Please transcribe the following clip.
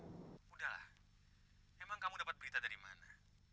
sudahlah emang kamu dapat berita dari mana